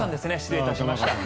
失礼いたしました。